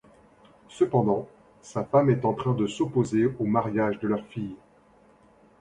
Cependant, sa femme est en train de s'opposer au mariage de leur fille.